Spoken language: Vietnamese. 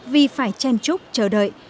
vì phải chen chúc chờ đợi